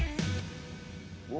お。